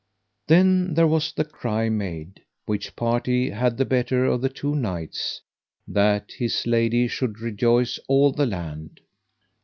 Then there was the cry made, which party had the better of the two knights, that his lady should rejoice all the land.